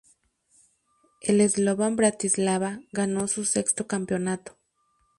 El Slovan Bratislava ganó su sexto campeonato.